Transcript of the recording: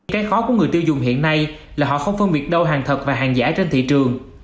cái khó của người tiêu dùng hiện nay là họ không phân biệt đâu hàng thật và hàng giả trên thị trường